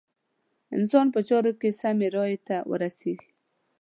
انسان په چارو کې سمې رايې ته ورسېږي.